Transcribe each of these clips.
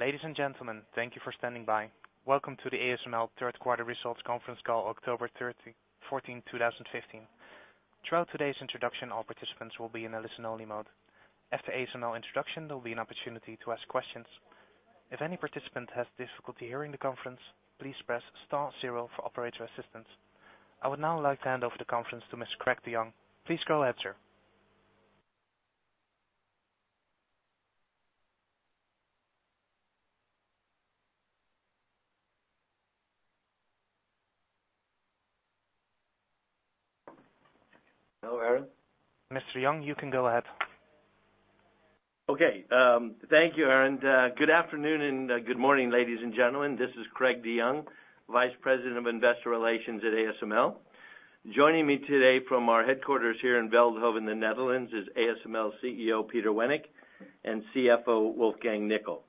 Ladies and gentlemen, thank you for standing by. Welcome to the ASML third quarter results conference call, October 14, 2015. Throughout today's introduction, all participants will be in listen only mode. After ASML introduction, there'll be an opportunity to ask questions. If any participant has difficulty hearing the conference, please press star zero for operator assistance. I would now like to hand over the conference to Mr. Craig DeYoung. Please go ahead, sir. Hello, Aaron. Mr. DeYoung, you can go ahead. Okay. Thank you, Aaron. Good afternoon and good morning, ladies and gentlemen. This is Craig DeYoung, Vice President of Investor Relations at ASML. Joining me today from our headquarters here in Veldhoven, the Netherlands, is ASML CEO, Peter Wennink, and CFO, Wolfgang Nickl.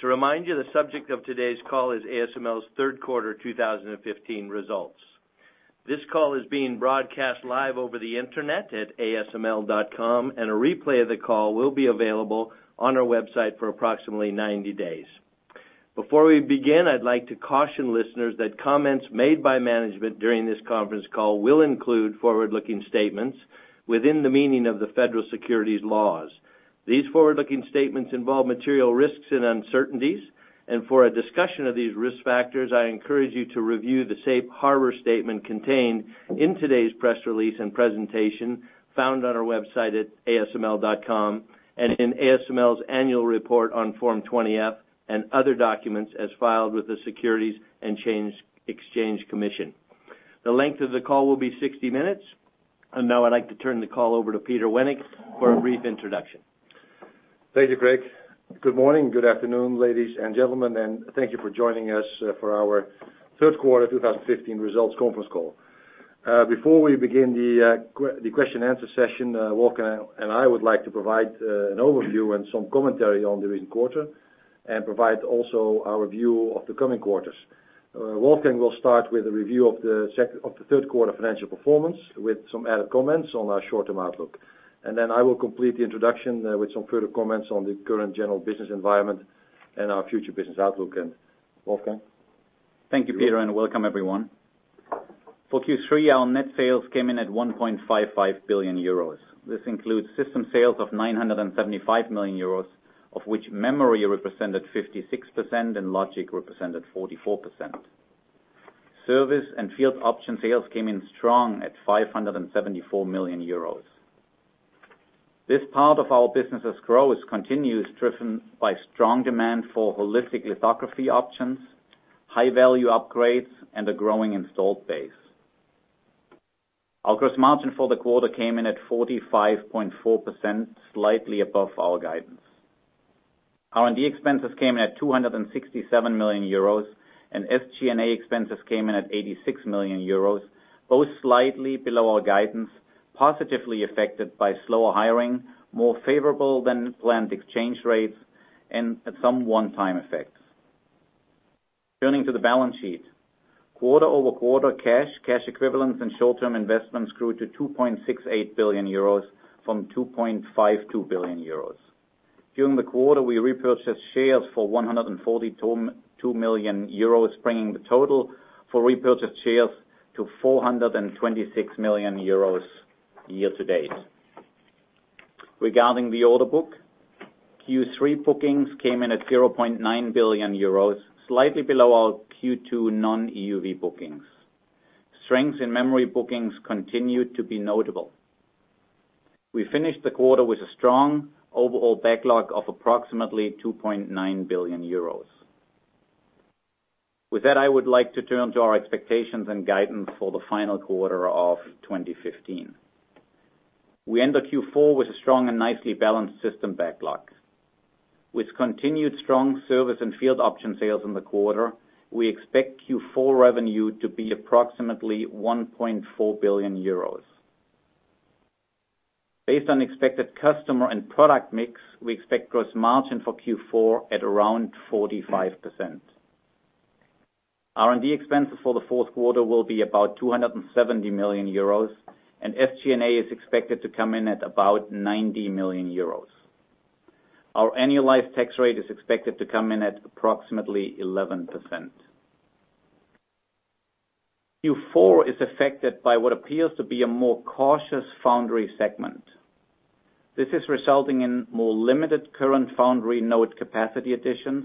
To remind you, the subject of today's call is ASML's third quarter 2015 results. This call is being broadcast live over the internet at asml.com, and a replay of the call will be available on our website for approximately 90 days. Before we begin, I'd like to caution listeners that comments made by management during this conference call will include forward-looking statements within the meaning of the federal securities laws. These forward-looking statements involve material risks and uncertainties, and for a discussion of these risk factors, I encourage you to review the safe harbor statement contained in today's press release and presentation found on our website at asml.com, and in ASML's annual report on Form 20-F and other documents as filed with the Securities and Exchange Commission. The length of the call will be 60 minutes, and now I'd like to turn the call over to Peter Wennink for a brief introduction. Thank you, Craig. Good morning, good afternoon, ladies and gentlemen, and thank you for joining us for our third quarter 2015 results conference call. Before we begin the question answer session, Wolfgang and I would like to provide an overview and some commentary on the recent quarter and provide also our view of the coming quarters. Wolfgang will start with a review of the third quarter financial performance with some added comments on our short-term outlook. Then I will complete the introduction with some further comments on the current general business environment and our future business outlook. And Wolfgang. Thank you, Peter, and welcome everyone. For Q3, our net sales came in at 1.55 billion euros. This includes system sales of 975 million euros, of which memory represented 56% and logic represented 44%. Service and field option sales came in strong at 574 million euros. This part of our business' growth continues, driven by strong demand for Holistic Lithography options, high-value upgrades, and a growing installed base. Our gross margin for the quarter came in at 45.4%, slightly above our guidance. R&D expenses came in at 267 million euros, and SG&A expenses came in at 86 million euros, both slightly below our guidance, positively affected by slower hiring, more favorable than planned exchange rates, and some one-time effects. Turning to the balance sheet. Quarter-over-quarter cash equivalents, and short-term investments grew to 2.68 billion euros from 2.52 billion euros. During the quarter, we repurchased shares for 142 million euros, bringing the total for repurchased shares to 426 million euros year to date. Regarding the order book, Q3 bookings came in at 0.9 billion euros, slightly below our Q2 non-EUV bookings. Strength in memory bookings continued to be notable. We finished the quarter with a strong overall backlog of approximately 2.9 billion euros. With that, I would like to turn to our expectations and guidance for the final quarter of 2015. We end the Q4 with a strong and nicely balanced system backlog. With continued strong service and field option sales in the quarter, we expect Q4 revenue to be approximately 1.4 billion euros. Based on expected customer and product mix, we expect gross margin for Q4 at around 45%. R&D expenses for the fourth quarter will be about 270 million euros, and SG&A is expected to come in at about 90 million euros. Our annualized tax rate is expected to come in at approximately 11%. Q4 is affected by what appears to be a more cautious foundry segment. This is resulting in more limited current foundry node capacity additions,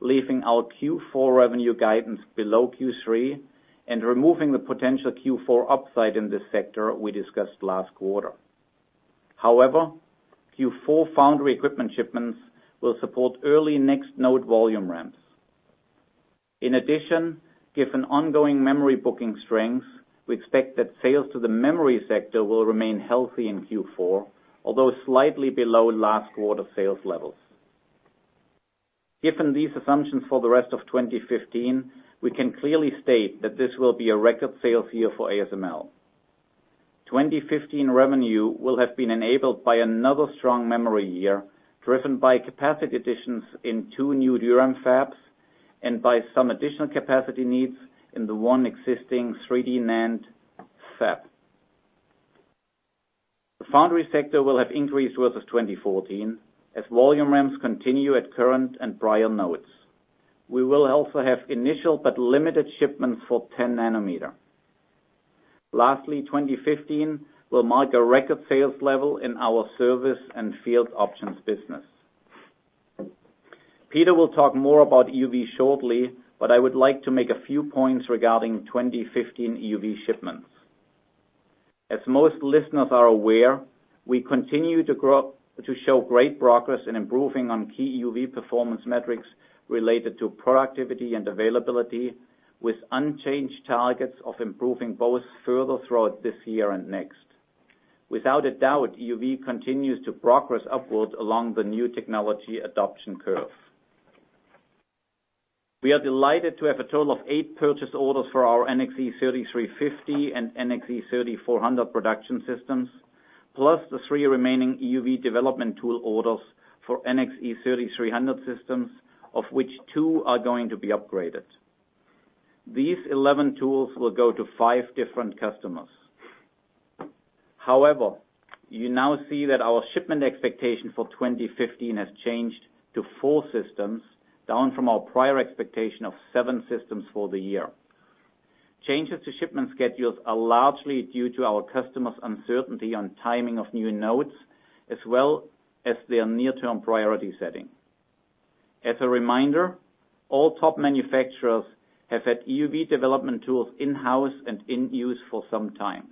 leaving our Q4 revenue guidance below Q3 and removing the potential Q4 upside in this sector we discussed last quarter. However, Q4 foundry equipment shipments will support early next node volume ramps. In addition, given ongoing memory booking strength, we expect that sales to the memory sector will remain healthy in Q4, although slightly below last quarter sales levels. Given these assumptions for the rest of 2015, we can clearly state that this will be a record sales year for ASML. 2015 revenue will have been enabled by another strong memory year, driven by capacity additions in two new DRAM fabs by some additional capacity needs in the one existing 3D NAND fab. The foundry sector will have increased versus 2014, as volume ramps continue at current and prior nodes. We will also have initial but limited shipments for 10 nanometer. Lastly, 2015 will mark a record sales level in our service and field options business. Peter will talk more about EUV shortly, but I would like to make a few points regarding 2015 EUV shipments. As most listeners are aware, we continue to show great progress in improving on key EUV performance metrics related to productivity and availability, with unchanged targets of improving both further throughout this year and next. Without a doubt, EUV continues to progress upwards along the new technology adoption curve. We are delighted to have a total of eight purchase orders for our NXE:3350 and NXE:3400 production systems, plus the three remaining EUV development tool orders for NXE:3300 systems, of which two are going to be upgraded. These 11 tools will go to five different customers. You now see that our shipment expectation for 2015 has changed to four systems, down from our prior expectation of seven systems for the year. As a reminder, all top manufacturers have had EUV development tools in-house and in use for some time.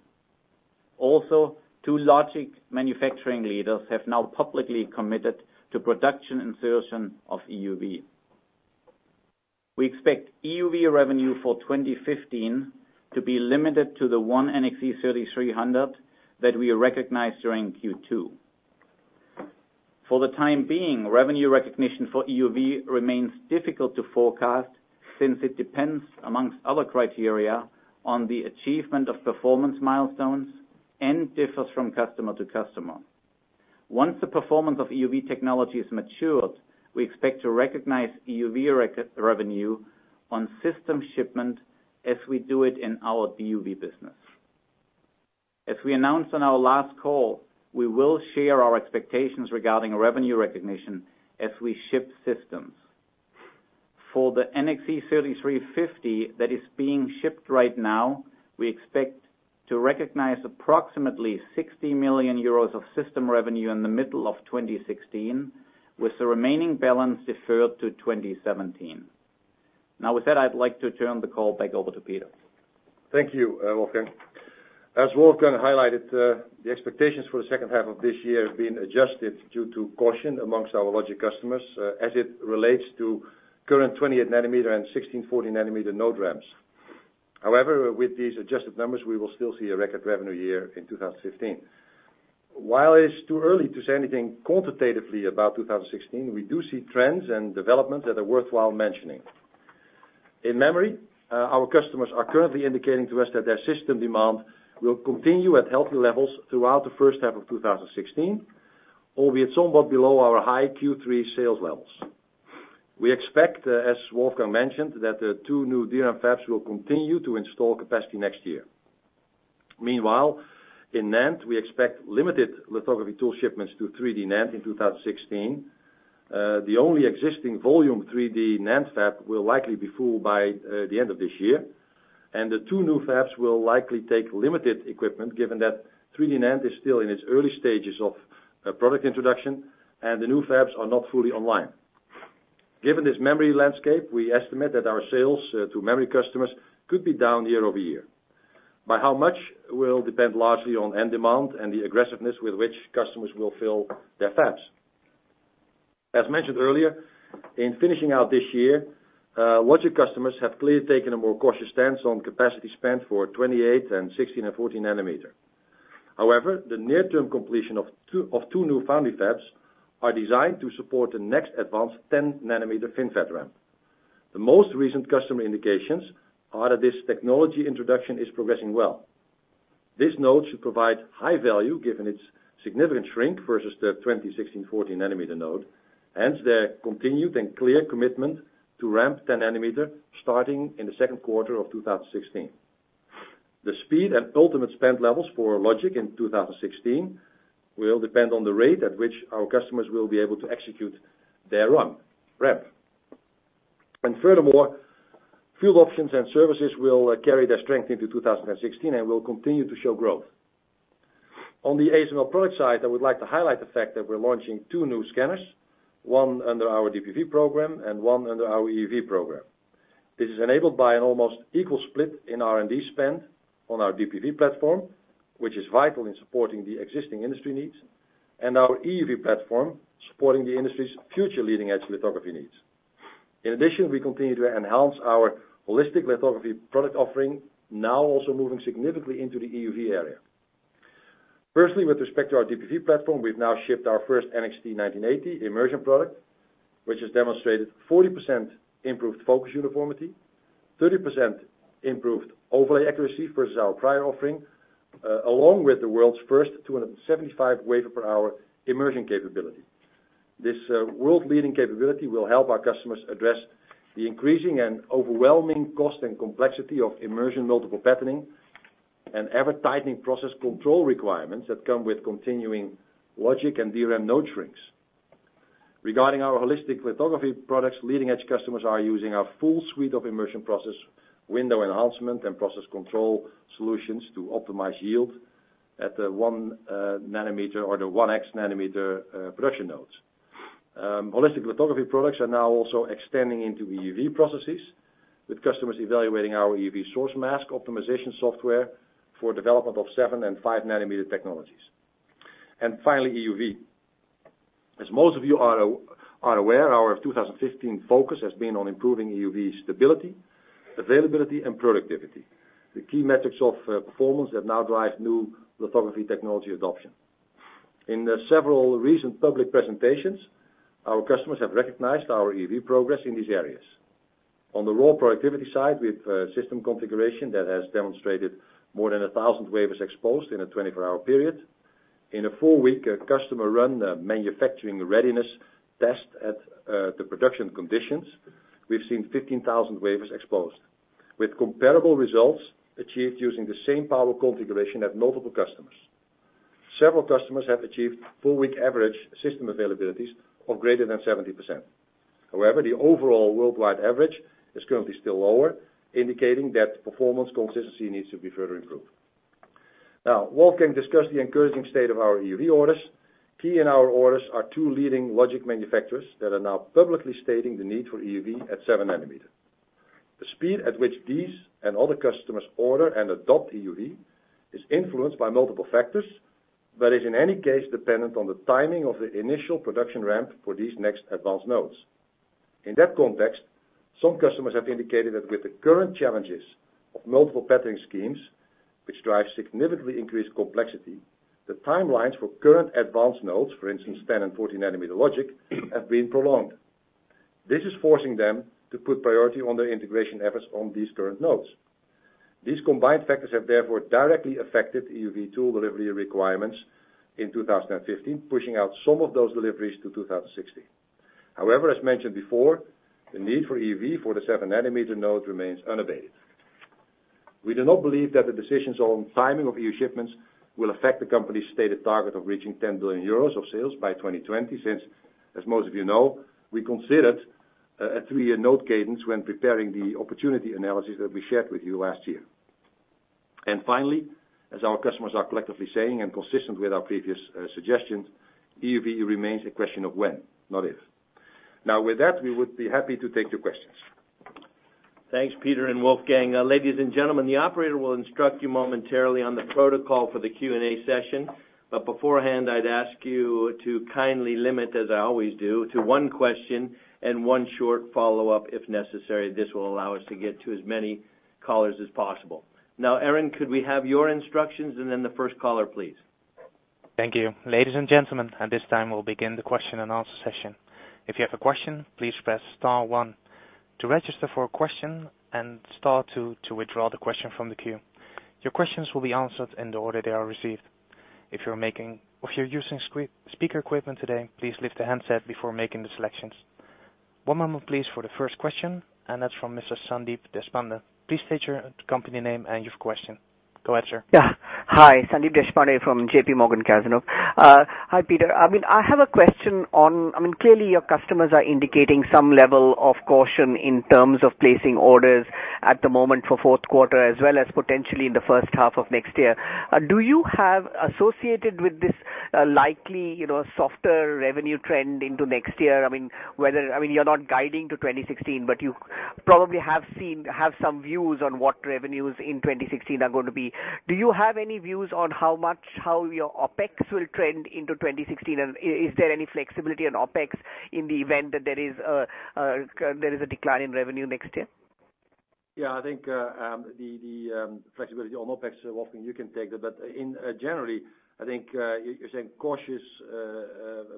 Two logic manufacturing leaders have now publicly committed to production insertion of EUV. We expect EUV revenue for 2015 to be limited to the one NXE:3300 that we recognized during Q2. For the time being, revenue recognition for EUV remains difficult to forecast since it depends, amongst other criteria, on the achievement of performance milestones and differs from customer to customer. Once the performance of EUV technology is matured, we expect to recognize EUV revenue on system shipment as we do it in our DUV business. As we announced on our last call, we will share our expectations regarding revenue recognition as we ship systems. For the NXE:3350 that is being shipped right now, we expect to recognize approximately 60 million euros of system revenue in the middle of 2016, with the remaining balance deferred to 2017. With that, I'd like to turn the call back over to Peter. Thank you, Wolfgang. As Wolfgang highlighted, the expectations for the second half of this year have been adjusted due to caution amongst our logic customers as it relates to current 28 nanometer and 16/14 nanometer node ramps. However, with these adjusted numbers, we will still see a record revenue year in 2015. While it's too early to say anything quantitatively about 2016, we do see trends and developments that are worthwhile mentioning. In memory, our customers are currently indicating to us that their system demand will continue at healthy levels throughout the first half of 2016, albeit somewhat below our high Q3 sales levels. We expect, as Wolfgang mentioned, that the two new DRAM fabs will continue to install capacity next year. Meanwhile, in NAND, we expect limited lithography tool shipments to 3D NAND in 2016. The only existing volume 3D NAND fab will likely be full by the end of this year, and the two new fabs will likely take limited equipment given that 3D NAND is still in its early stages of product introduction, and the new fabs are not fully online. Given this memory landscape, we estimate that our sales to memory customers could be down year-over-year. By how much will depend largely on end demand and the aggressiveness with which customers will fill their fabs. As mentioned earlier, in finishing out this year, logic customers have clearly taken a more cautious stance on capacity spend for 28 and 16 and 14 nanometer. However, the near-term completion of two new foundry fabs are designed to support the next advanced 10 nanometer FinFET ramp. The most recent customer indications are that this technology introduction is progressing well. This node should provide high value given its significant shrink versus the 20/16/14 nanometer node, hence their continued and clear commitment to ramp 10 nanometer starting in the second quarter of 2016. The speed and ultimate spend levels for logic in 2016 will depend on the rate at which our customers will be able to execute their ramp. Furthermore, field options and services will carry their strength into 2016 and will continue to show growth. On the ASML product side, I would like to highlight the fact that we're launching two new scanners, one under our DUV program and one under our EUV program. This is enabled by an almost equal split in R&D spend on our DUV platform, which is vital in supporting the existing industry needs, and our EUV platform, supporting the industry's future leading-edge lithography needs. In addition, we continue to enhance our Holistic Lithography product offering, now also moving significantly into the EUV area. Firstly, with respect to our DUV platform, we've now shipped our first NXT 1980 immersion product, which has demonstrated 40% improved focus uniformity 30% improved overlay accuracy versus our prior offering, along with the world's first 275-wafer-per-hour immersion capability. This world-leading capability will help our customers address the increasing and overwhelming cost and complexity of immersion multiple patterning and ever-tightening process control requirements that come with continuing logic and DRAM node shrinks. Regarding our Holistic Lithography products, leading-edge customers are using our full suite of immersion process window enhancement and process control solutions to optimize yield at the one nanometer or the 1X nanometer production nodes. Holistic Lithography products are now also extending into EUV processes, with customers evaluating our EUV source mask optimization software for development of 7 and 5-nanometer technologies. Finally, EUV. As most of you are aware, our 2015 focus has been on improving EUV stability, availability, and productivity, the key metrics of performance that now drive new lithography technology adoption. In several recent public presentations, our customers have recognized our EUV progress in these areas. On the raw productivity side, we have a system configuration that has demonstrated more than 1,000 wafers exposed in a 24-hour period. In a four-week customer-run manufacturing readiness test at the production conditions, we've seen 15,000 wafers exposed, with comparable results achieved using the same power configuration at multiple customers. Several customers have achieved four-week average system availabilities of greater than 70%. The overall worldwide average is currently still lower, indicating that performance consistency needs to be further improved. Wolfgang discussed the encouraging state of our EUV orders. Key in our orders are two leading logic manufacturers that are now publicly stating the need for EUV at 7 nanometer. The speed at which these and other customers order and adopt EUV is influenced by multiple factors, but is in any case dependent on the timing of the initial production ramp for these next advanced nodes. In that context, some customers have indicated that with the current challenges of multiple patterning schemes, which drive significantly increased complexity, the timelines for current advanced nodes, for instance, 10 and 14-nanometer logic, have been prolonged. This is forcing them to put priority on their integration efforts on these current nodes. These combined factors have therefore directly affected EUV tool delivery requirements in 2015, pushing out some of those deliveries to 2016. As mentioned before, the need for EUV for the 7-nanometer node remains unabated. We do not believe that the decisions on timing of EUV shipments will affect the company's stated target of reaching 10 billion euros of sales by 2020, since, as most of you know, we considered a three-year node cadence when preparing the opportunity analysis that we shared with you last year. Finally, as our customers are collectively saying and consistent with our previous suggestions, EUV remains a question of when, not if. With that, we would be happy to take your questions. Thanks, Peter and Wolfgang. Ladies and gentlemen, the operator will instruct you momentarily on the protocol for the Q&A session. Beforehand, I'd ask you to kindly limit, as I always do, to one question and one short follow-up if necessary. This will allow us to get to as many callers as possible. Aaron, could we have your instructions and then the first caller, please? Thank you. Ladies and gentlemen, at this time we'll begin the question and answer session. If you have a question, please press star one to register for a question, and star two to withdraw the question from the queue. Your questions will be answered in the order they are received. If you're using speaker equipment today, please lift the handset before making the selections. One moment please for the first question, and that's from Mr. Sandeep Deshpande. Please state your company name and your question. Go ahead, sir. Yeah. Hi, Sandeep Deshpande from J.P. Morgan Cazenove. Hi, Peter. I have a question on, clearly your customers are indicating some level of caution in terms of placing orders at the moment for fourth quarter, as well as potentially in the first half of next year. Do you have associated with this likely softer revenue trend into next year, you're not guiding to 2016, but you probably have some views on what revenues in 2016 are going to be. Do you have any views on how your OpEx will trend into 2016, and is there any flexibility on OpEx in the event that there is a decline in revenue next year? Yeah, I think the flexibility on OpEx, Wolfgang, you can take that. Generally, I think you're saying cautious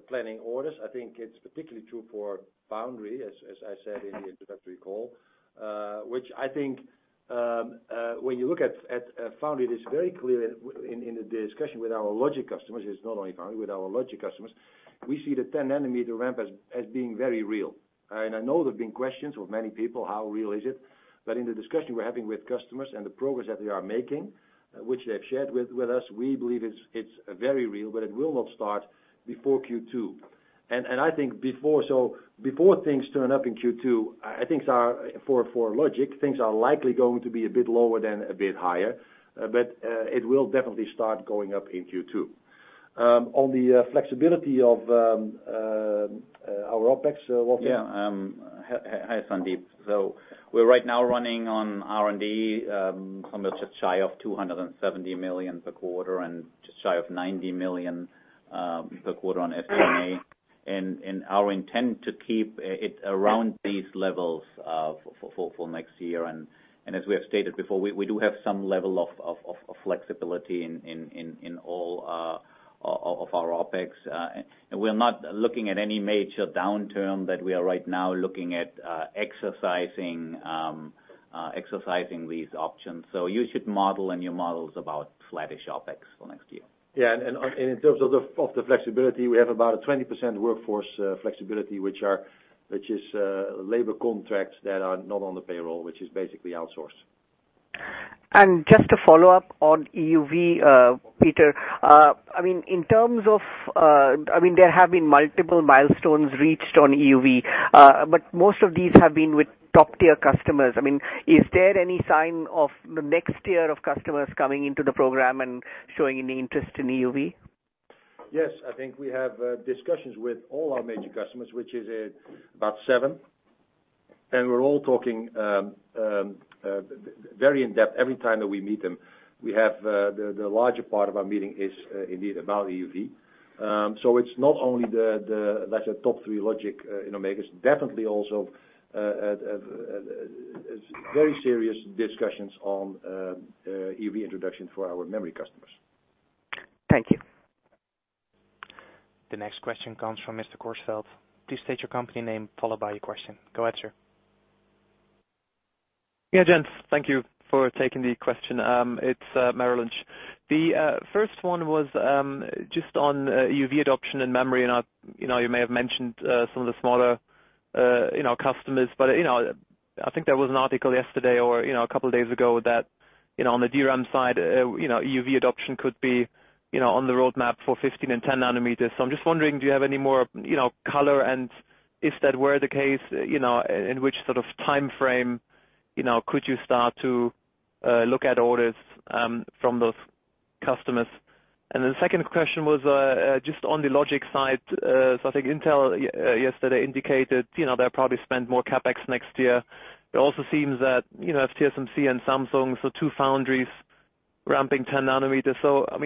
planning orders. I think it's particularly true for foundry, as I said in the introductory call. I think when you look at foundry, it is very clear in the discussion with our logic customers, it's not only foundry, with our logic customers, we see the 10-nanometer ramp as being very real. I know there have been questions with many people, how real is it? In the discussion we're having with customers and the progress that they are making, which they have shared with us, we believe it's very real, but it will not start before Q2. I think before things turn up in Q2, for logic, things are likely going to be a bit lower than a bit higher. It will definitely start going up in Q2. On the flexibility of our OpEx, Wolfgang? Hi, Sandeep. We're right now running on R&D, somewhere just shy of 270 million per quarter and just shy of 90 million per quarter on SG&A. Our intent to keep it around these levels for next year. As we have stated before, we do have some level of flexibility in all of our OpEx. We are not looking at any major downturn that we are right now looking at exercising these options. You should model in your models about flattish OpEx for next year. In terms of the flexibility, we have about a 20% workforce flexibility, which is labor contracts that are not on the payroll, which is basically outsourced. Just to follow up on EUV, Peter. There have been multiple milestones reached on EUV. Most of these have been with top-tier customers. Is there any sign of the next tier of customers coming into the program and showing an interest in EUV? Yes, I think we have discussions with all our major customers, which is about seven. We're all talking very in-depth every time that we meet them. The larger part of our meeting is indeed about EUV. It's not only the, let's say, top-three logic in foundries. Definitely also, very serious discussions on EUV introduction for our memory customers. Thank you. The next question comes from Mr. Kursfeld. Please state your company name, followed by your question. Go ahead, sir. Gents. Thank you for taking the question. It's Merrill Lynch. You may have mentioned some of the smaller customers. I think there was an article yesterday or a couple of days ago that on the DRAM side, EUV adoption could be on the roadmap for 15 and 10 nanometers. I'm just wondering, do you have any more color? If that were the case, in which sort of timeframe could you start to look at orders from those customers? Then the second question was just on the logic side. I think Intel yesterday indicated they'll probably spend more CapEx next year. It also seems that you have TSMC and Samsung, so two foundries ramping 10 nanometers.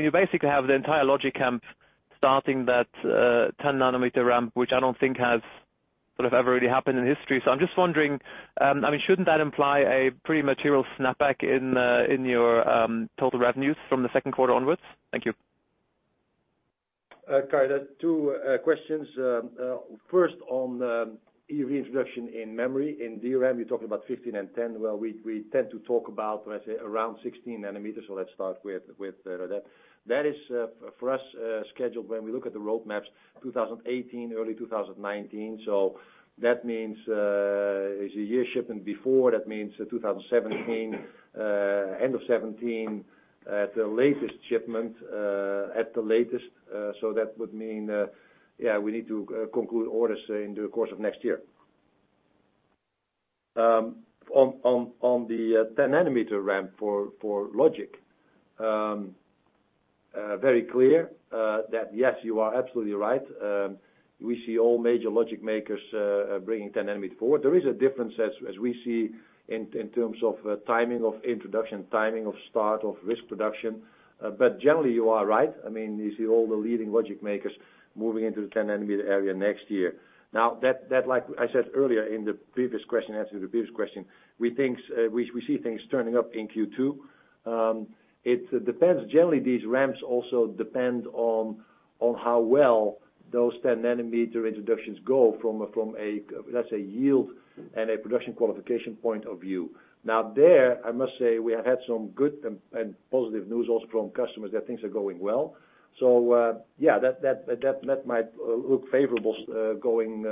You basically have the entire logic camp starting that 10-nanometer ramp, which I don't think has sort of ever really happened in history. I'm just wondering, shouldn't that imply a pretty material snapback in your total revenues from the second quarter onwards? Thank you. Karl, two questions. First on EUV introduction in memory. In DRAM, you're talking about 15 and 10. Well, we tend to talk about, let's say, around 16 nanometers. Let's start with that. That is, for us, scheduled when we look at the roadmaps, 2018, early 2019. That means it's a year shipment before. That means end of 2017 at the latest shipment. That would mean we need to conclude orders in the course of next year. On the 10-nanometer ramp for logic. Very clear that, yes, you are absolutely right. We see all major logic makers bringing 10-nanometer forward. There is a difference as we see in terms of timing of introduction, timing of start of risk production. Generally, you are right. You see all the leading logic makers moving into the 10-nanometer area next year. Like I said earlier in the answer to the previous question, we see things turning up in Q2. It depends. Generally, these ramps also depend on how well those 10-nanometer introductions go from, let's say, yield and a production qualification point of view. There, I must say, we have had some good and positive news also from customers that things are going well. Yeah, that might look favorable going,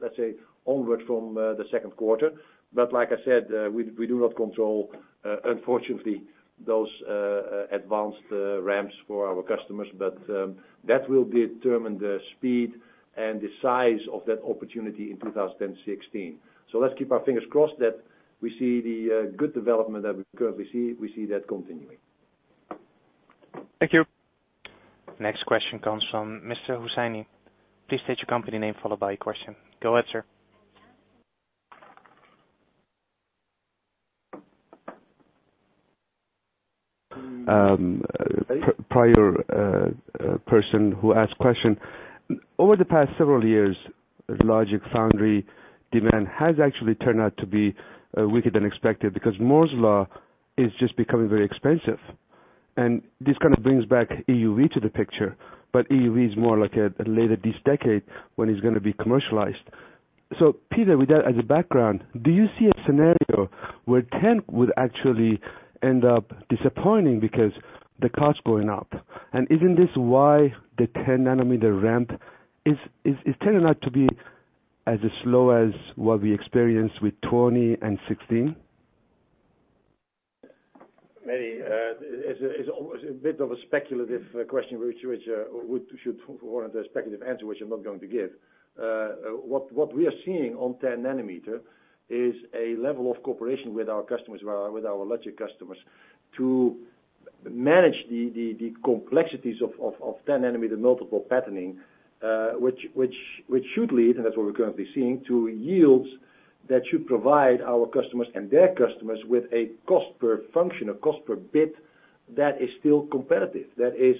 let's say, onward from the second quarter. Like I said, we do not control, unfortunately, those advanced ramps for our customers. That will determine the speed and the size of that opportunity in 2016. Let's keep our fingers crossed that we see the good development that we currently see continuing. Thank you. Next question comes from Mr. Hosseini. Please state your company name, followed by your question. Go ahead, sir. Prior person who asked question. Over the past several years, logic foundry demand has actually turned out to be weaker than expected because Moore's Law is just becoming very expensive. This kind of brings back EUV to the picture. EUV is more like later this decade when it's going to be commercialized. Peter, with that as a background, do you see a scenario where 10 would actually end up disappointing because the cost going up? Isn't this why the 10-nanometer ramp is turning out to be as slow as what we experienced with 20 and 16? Maybe. It's a bit of a speculative question, which would warrant a speculative answer, which I'm not going to give. What we are seeing on 10 nanometer is a level of cooperation with our logic customers to manage the complexities of 10-nanometer multiple patterning, which should lead, and that's what we're currently seeing, to yields that should provide our customers and their customers with a cost per function, a cost per bit that is still competitive. That is,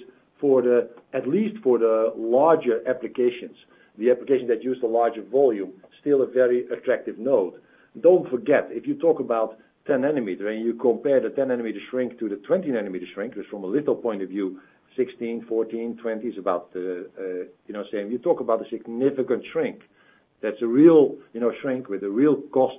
at least for the larger applications, the application that use the larger volume, still a very attractive node. Don't forget, if you talk about 10 nanometer and you compare the 10 nanometer shrink to the 20 nanometer shrink, because from a little point of view, 16, 14, 20 is about the same. You talk about a significant shrink. That's a real shrink with a real cost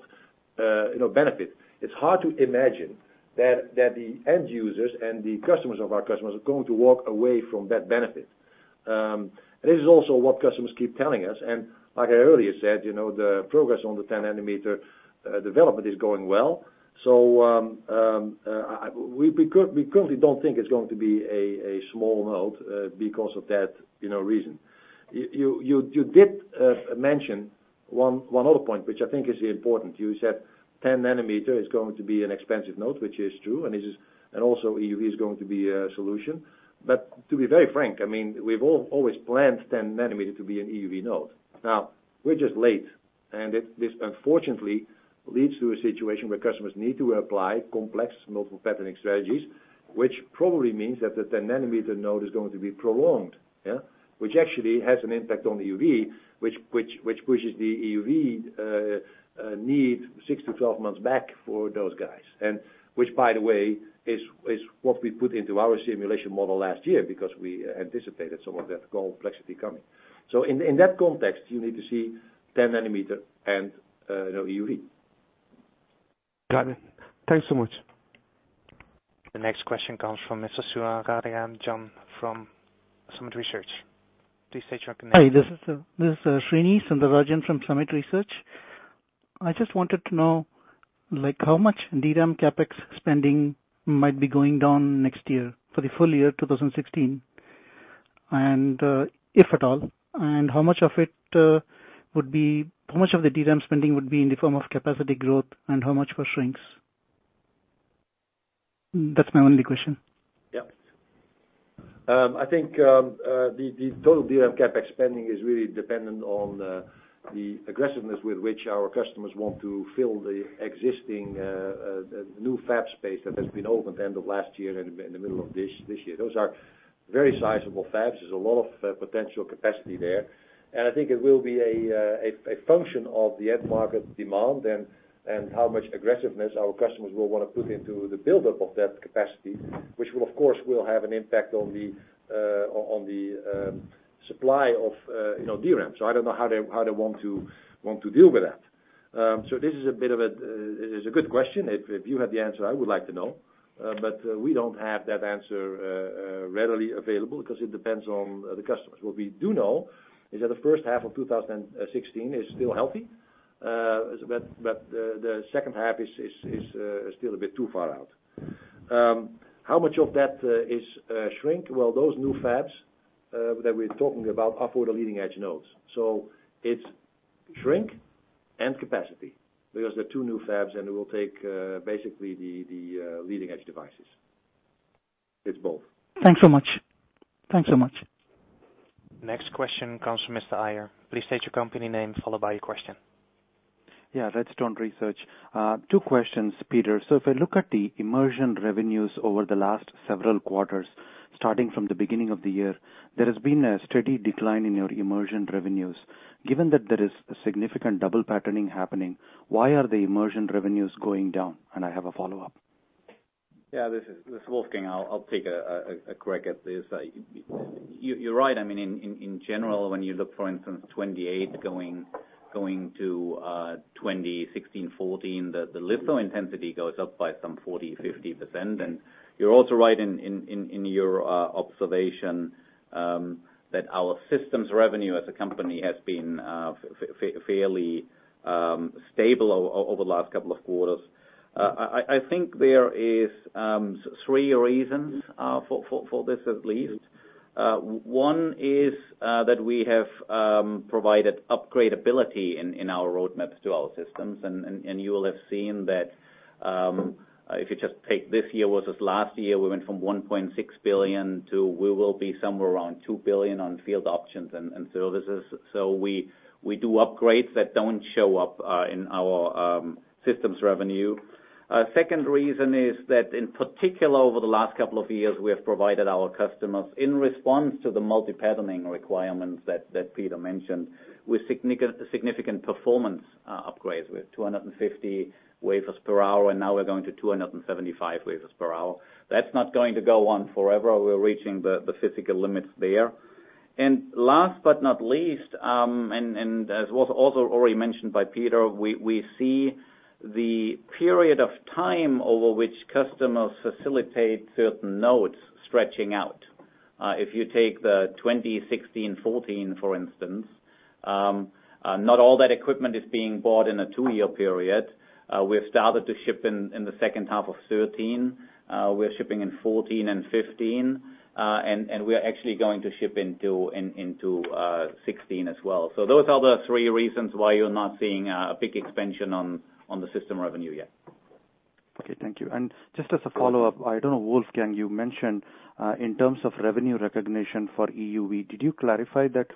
benefit. It's hard to imagine that the end users and the customers of our customers are going to walk away from that benefit. This is also what customers keep telling us. Like I earlier said, the progress on the 10 nanometer development is going well. We currently don't think it's going to be a small node because of that reason. You did mention one other point, which I think is important. You said 10 nanometer is going to be an expensive node, which is true, and also EUV is going to be a solution. To be very frank, we've always planned 10 nanometer to be an EUV node. Now, we're just late, and this unfortunately leads to a situation where customers need to apply complex multiple patterning strategies, which probably means that the 10 nanometer node is going to be prolonged. Which actually has an impact on EUV, which pushes the EUV need 6 to 12 months back for those guys. Which, by the way, is what we put into our simulation model last year because we anticipated some of that complexity coming. In that context, you need to see 10 nanometer and EUV. Got it. Thanks so much. The next question comes from Mr. Srinivasan from Summit Research. Please state your connection. Hi, this is Srini Srinivasan from Summit Research. I just wanted to know how much DRAM CapEx spending might be going down next year for the full year 2016, if at all. How much of the DRAM spending would be in the form of capacity growth, and how much for shrinks? That's my only question. Yes. I think the total DRAM CapEx spending is really dependent on the aggressiveness with which our customers want to fill the existing new fab space that has been opened end of last year and in the middle of this year. Those are very sizable fabs. There's a lot of potential capacity there, and I think it will be a function of the end market demand and how much aggressiveness our customers will want to put into the buildup of that capacity, which will, of course, will have an impact on the supply of DRAM. I don't know how they want to deal with that. This is a good question. If you have the answer, I would like to know. We don't have that answer readily available because it depends on the customers. What we do know is that the first half of 2016 is still healthy. The second half is still a bit too far out. How much of that is shrink? Those new fabs that we're talking about are for the leading-edge nodes. It's shrink and capacity because they're two new fabs, and it will take basically the leading-edge devices. It's both. Thanks so much. Next question comes from Mr. Iyer. Please state your company name, followed by your question. Redstone Research. Two questions, Peter. If I look at the immersion revenues over the last several quarters, starting from the beginning of the year, there has been a steady decline in your immersion revenues. Given that there is significant double patterning happening, why are the immersion revenues going down? I have a follow-up. This is Wolfgang. I'll take a crack at this. You're right. In general, when you look, for instance, 28 going to 2016, 2014, the litho intensity goes up by some 40%-50%. You're also right in your observation that our systems revenue as a company has been fairly stable over the last couple of quarters. I think there is three reasons for this at least. One is that we have provided upgradeability in our roadmaps to our systems, and you will have seen that if you just take this year versus last year, we went from 1.6 billion to we will be somewhere around 2 billion on field options and services. We do upgrades that don't show up in our systems revenue. Second reason is that in particular, over the last couple of years, we have provided our customers, in response to the multiple patterning requirements that Peter mentioned, with significant performance upgrades. With 250 wafers per hour, and now we're going to 275 wafers per hour. That's not going to go on forever. We're reaching the physical limits there. Last but not least, as was also already mentioned by Peter, we see the period of time over which customers facilitate certain nodes stretching out. If you take the 2016, 2014, for instance, not all that equipment is being bought in a two-year period. We have started to ship in the second half of 2013. We're shipping in 2014 and 2015. We're actually going to ship into 2016 as well. Those are the three reasons why you're not seeing a big expansion on the system revenue yet. Okay, thank you. Just as a follow-up, I don't know, Wolfgang, you mentioned in terms of revenue recognition for EUV, did you clarify that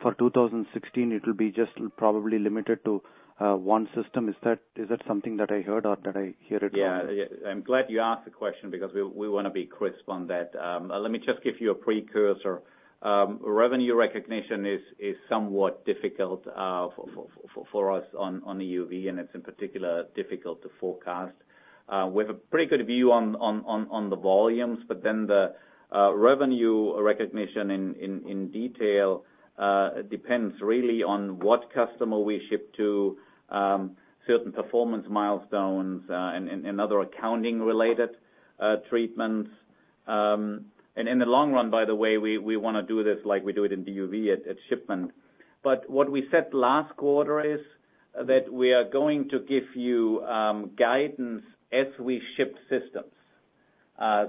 for 2016, it will be just probably limited to one system? Is that something that I heard or did I hear it wrong? I'm glad you asked the question because we want to be crisp on that. Let me just give you a precursor. Revenue recognition is somewhat difficult for us on EUV, and it's in particular difficult to forecast. We have a pretty good view on the volumes, but then the revenue recognition in detail depends really on what customer we ship to, certain performance milestones, and other accounting-related treatments. In the long run, by the way, we want to do this like we do it in DUV at shipment. What we said last quarter is that we are going to give you guidance as we ship systems.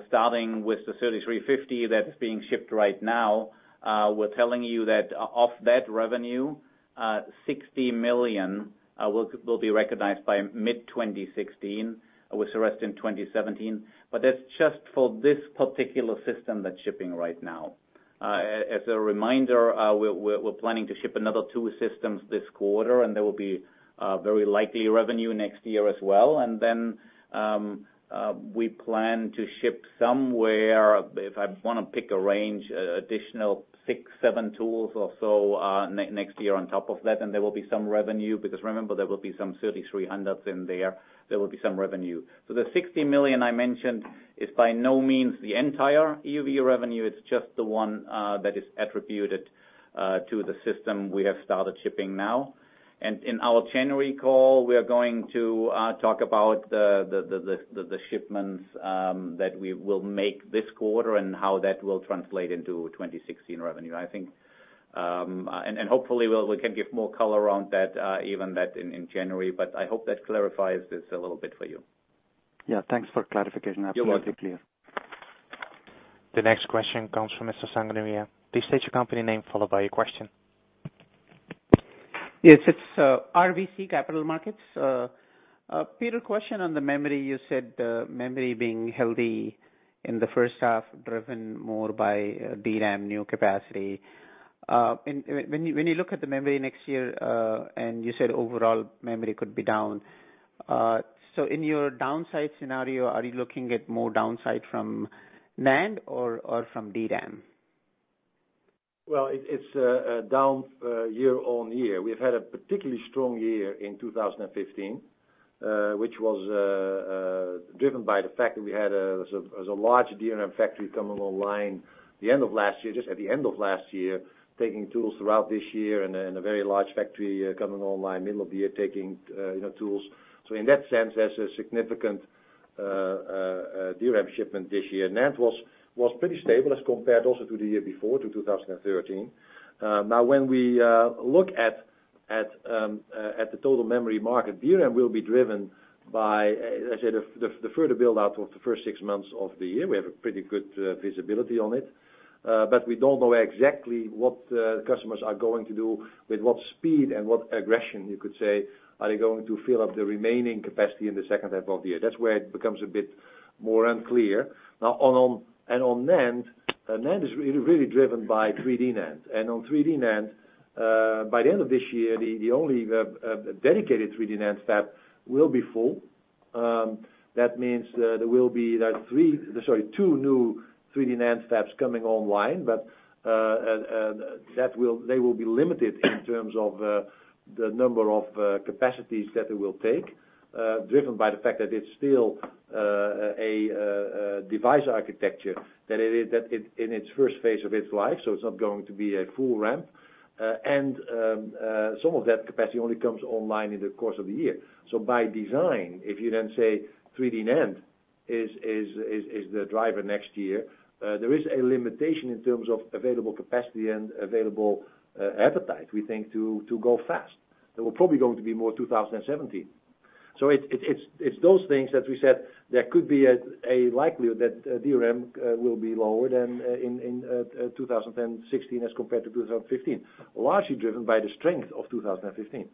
Starting with the 3350 that's being shipped right now, we're telling you that of that revenue, 60 million will be recognized by mid-2016, with the rest in 2017. That's just for this particular system that's shipping right now. As a reminder, we're planning to ship another two systems this quarter. There will be very likely revenue next year as well. We plan to ship somewhere, if I want to pick a range, additional six, seven tools or so next year on top of that. There will be some revenue because remember, there will be some 3300s in there. There will be some revenue. The 60 million I mentioned is by no means the entire EUV revenue, it's just the one that is attributed to the system we have started shipping now. In our January call, we are going to talk about the shipments that we will make this quarter and how that will translate into 2016 revenue. Hopefully, we can give more color around that, even that in January. I hope that clarifies this a little bit for you. Yeah, thanks for clarification. You're welcome. Absolutely clear. The next question comes from Mr. Sanghvi. Please state your company name followed by your question. Yes, it's RBC Capital Markets. Peter, question on the memory. You said memory being healthy in the first half, driven more by DRAM new capacity. When you look at the memory next year, you said overall memory could be down. In your downside scenario, are you looking at more downside from NAND or from DRAM? Well, it's down year-on-year. We've had a particularly strong year in 2015, which was driven by the fact that we had a large DRAM factory coming online the end of last year, just at the end of last year, taking tools throughout this year, and a very large factory coming online middle of the year, taking tools. In that sense, there's a significant DRAM shipment this year. NAND was pretty stable as compared also to the year before, to 2013. When we look at the total memory market, DRAM will be driven by, as I said, the further build-out of the first six months of the year. We have a pretty good visibility on it. We don't know exactly what the customers are going to do, with what speed and what aggression, you could say, are they going to fill up the remaining capacity in the second half of the year. That's where it becomes a bit more unclear. On NAND is really driven by 3D NAND. On 3D NAND, by the end of this year, the only dedicated 3D NAND fab will be full. That means there will be two new 3D NAND fabs coming online, but they will be limited in terms of the number of capacities that it will take, driven by the fact that it's still a device architecture that in its first phase of its life, it's not going to be a full ramp. Some of that capacity only comes online in the course of the year. By design, if you then say 3D NAND is the driver next year, there is a limitation in terms of available capacity and available appetite, we think, to go fast. They were probably going to be more 2017. It's those things that we said there could be a likelihood that DRAM will be lower than in 2016 as compared to 2015, largely driven by the strength of 2015.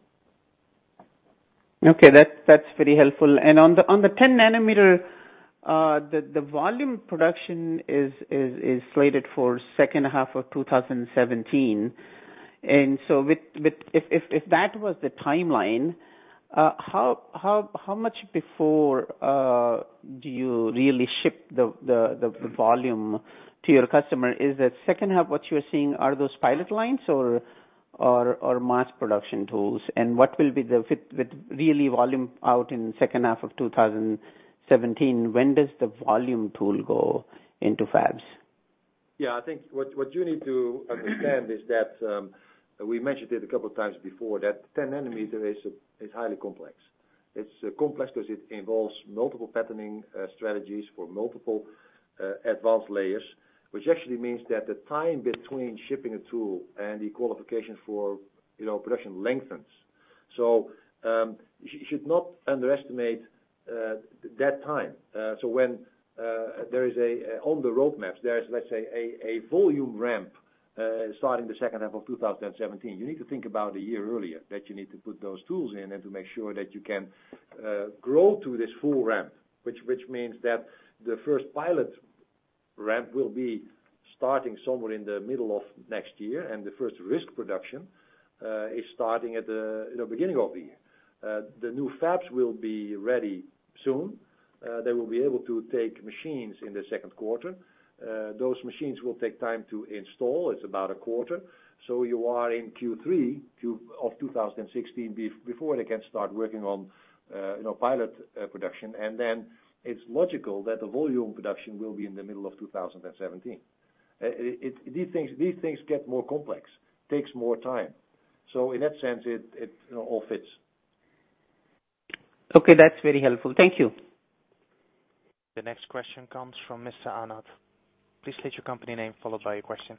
Okay. That's very helpful. On the 10 nanometer, the volume production is slated for second half of 2017. If that was the timeline, how much before do you really ship the volume to your customer? Is that second half what you're seeing are those pilot lines or mass production tools? What will be the fit with really volume out in the second half of 2017? When does the volume tool go into fabs? Yeah, I think what you need to understand is that, we mentioned it a couple of times before, that 10 nanometer is highly complex. It's complex because it involves multiple patterning strategies for multiple advanced layers, which actually means that the time between shipping a tool and the qualification for production lengthens. You should not underestimate that time. When on the roadmaps, there is, let's say, a volume ramp starting the second half of 2017. You need to think about a year earlier that you need to put those tools in and to make sure that you can grow to this full ramp, which means that the first pilot ramp will be starting somewhere in the middle of next year, and the first risk production is starting at the beginning of the year. The new fabs will be ready soon. They will be able to take machines in the second quarter. Those machines will take time to install. It's about a quarter. You are in Q3 of 2016 before they can start working on pilot production. It's logical that the volume production will be in the middle of 2017. These things get more complex, takes more time. In that sense, it all fits. Okay. That's very helpful. Thank you. The next question comes from Mr. Arnault. Please state your company name, followed by your question.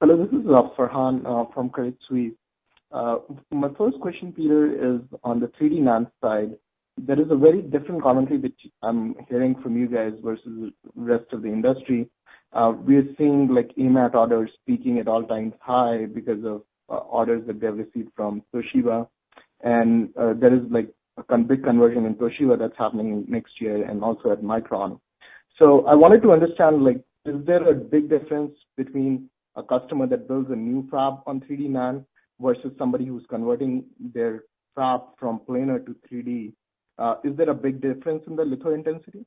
Hello, this is Farhan Ahmad from Credit Suisse. My first question, Peter, is on the 3D NAND side. There is a very different commentary which I'm hearing from you guys versus the rest of the industry. We are seeing AMAT orders peaking at all-time high because of orders that they've received from Toshiba. There is a big conversion in Toshiba that's happening next year and also at Micron. I wanted to understand, is there a big difference between a customer that builds a new fab on 3D NAND versus somebody who's converting their fab from planar to 3D? Is there a big difference in the litho intensity?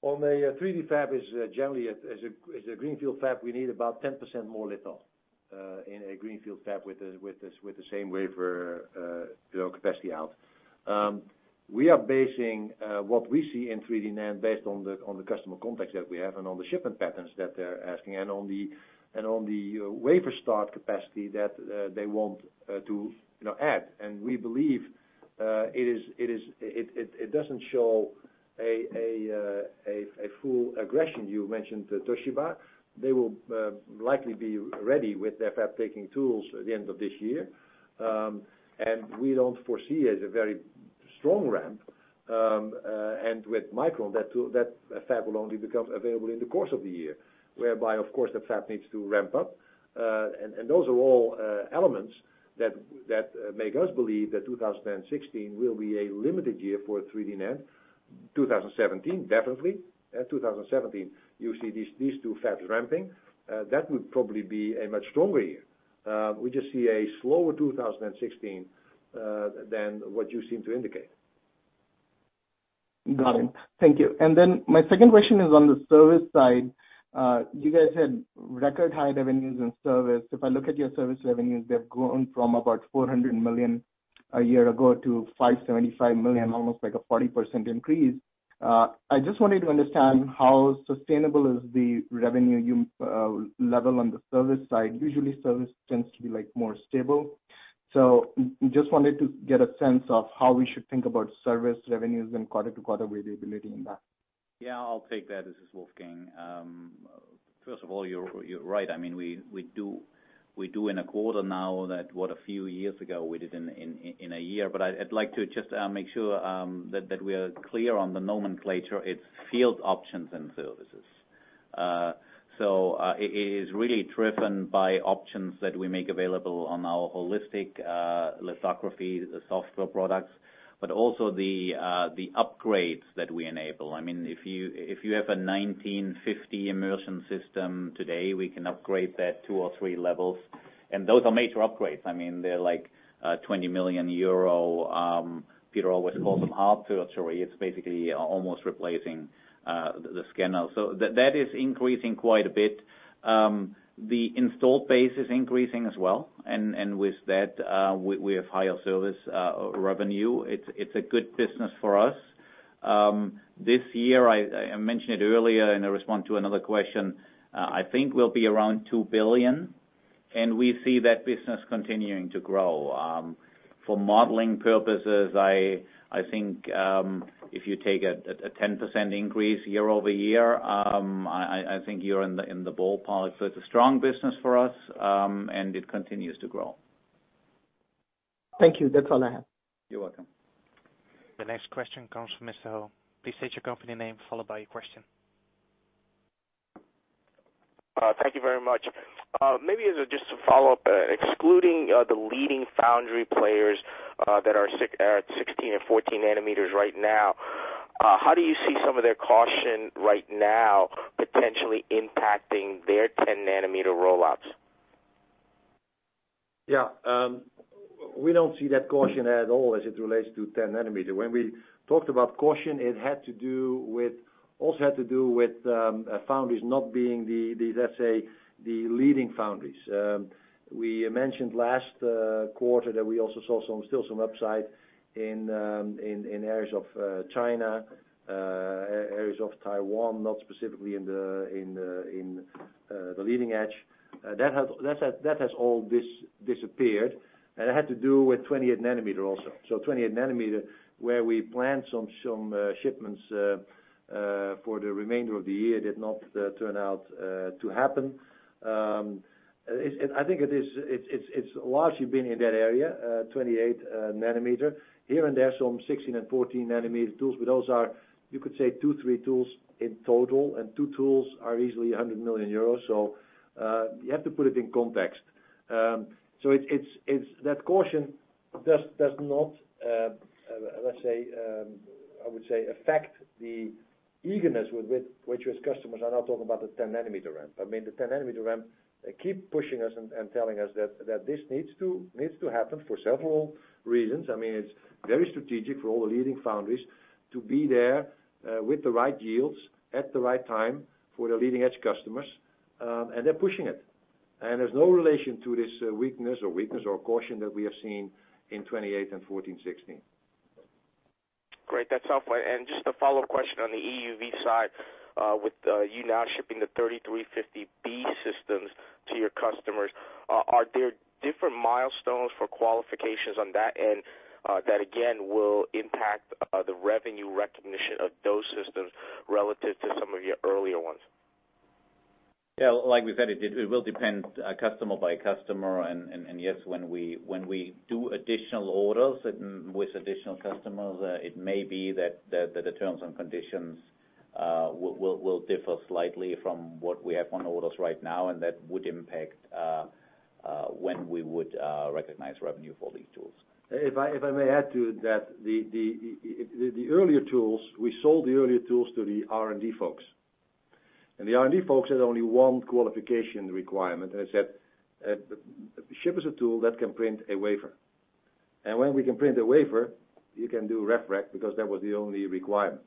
On the 3D fab is generally as a greenfield fab, we need about 10% more litho in a greenfield fab with the same wafer capacity out. We are basing what we see in 3D NAND based on the customer context that we have and on the shipment patterns that they're asking and on the wafer start capacity that they want to add. We believe it doesn't show a full aggression. You mentioned Toshiba. They will likely be ready with their fab taking tools at the end of this year. We don't foresee it as a very strong ramp. With Micron, that fab will only become available in the course of the year, whereby, of course, the fab needs to ramp up. Those are all elements that make us believe that 2016 will be a limited year for 3D NAND. 2017, definitely. 2017, you see these two fabs ramping. That would probably be a much stronger year. We just see a slower 2016 than what you seem to indicate. Got it. Thank you. My second question is on the service side. You guys had record high revenues in service. If I look at your service revenues, they've grown from about 400 million a year ago to 575 million, almost like a 40% increase. I just wanted to understand how sustainable is the revenue level on the service side. Usually, service tends to be more stable. Just wanted to get a sense of how we should think about service revenues and quarter-to-quarter variability in that. Yeah, I'll take that. This is Wolfgang. First of all, you're right. We do in a quarter now that what a few years ago we did in a year. I'd like to just make sure that we are clear on the nomenclature. It's field options and services. It is really driven by options that we make available on our Holistic Lithography software products, but also the upgrades that we enable. If you have a 1950 immersion system today, we can upgrade that two or three levels. Those are major upgrades. They're like 20 million euro. Peter always calls them heart surgery. It's basically almost replacing the scanner. That is increasing quite a bit. The install base is increasing as well. With that, we have higher service revenue. It's a good business for us. This year, I mentioned it earlier in a response to another question, I think we'll be around 2 billion, and we see that business continuing to grow. For modeling purposes, I think if you take a 10% increase year-over-year, I think you're in the ballpark. It's a strong business for us, and it continues to grow. Thank you. That's all I have. You're welcome. The next question comes from Mr. Ho. Please state your company name, followed by your question. Thank you very much. Maybe as just a follow-up, excluding the leading foundry players that are at 16 and 14 nanometers right now, how do you see some of their caution right now potentially impacting their 10-nanometer rollouts? Yeah. We don't see that caution at all as it relates to 10 nanometer. When we talked about caution, it also had to do with foundries not being, let's say, the leading foundries. We mentioned last quarter that we also saw still some upside in areas of China, areas of Taiwan, not specifically in the leading edge. That has all disappeared. And it had to do with 28 nanometer also. 28 nanometer, where we planned some shipments for the remainder of the year, did not turn out to happen. I think it's largely been in that area, 28 nanometer. Here and there, some 16 and 14 nanometer tools, but those are, you could say two, three tools in total, and two tools are easily 100 million euros. You have to put it in context. That caution does not, I would say, affect the eagerness with which customers are now talking about the 10 nanometer ramp. The 10 nanometer ramp, they keep pushing us and telling us that this needs to happen for several reasons. It's very strategic for all the leading foundries to be there with the right yields at the right time for the leading-edge customers, and they're pushing it. And there's no relation to this weakness or caution that we have seen in 28 and 14, 16. Great. That's helpful. And just a follow-up question on the EUV side, with you now shipping the 3350B systems to your customers, are there different milestones for qualifications on that end that again, will impact the revenue recognition of those systems relative to some of your earlier ones? Yeah, like we said, it will depend customer by customer. And yes, when we do additional orders with additional customers, it may be that the terms and conditions will differ slightly from what we have on orders right now, and that would impact when we would recognize revenue for these tools. If I may add to that. The earlier tools, we sold the earlier tools to the R&D folks. The R&D folks had only one qualification requirement, and it said, ship us a tool that can print a wafer. When we can print a wafer, you can do rev rec because that was the only requirement.